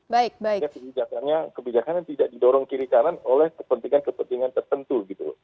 jadi kebijakan yang tidak didorong kiri kanan oleh kepentingan kepentingan tertentu